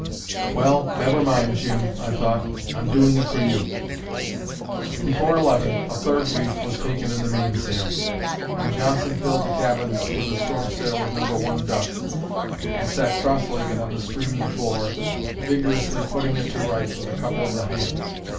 "Well, never mind, Jim," thought I. "I'm doing it for you." Before eleven, a third reef was taken in the mainsail; and Johnson filled the cabin with a storm sail of No. 1 duck and sat cross legged on the streaming floor, vigorously putting it to rights with a couple of the hands.